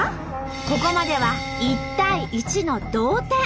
ここまでは１対１の同点。